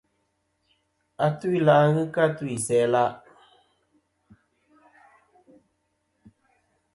Atu-ila' ghɨ kɨ a tu isæa-la'.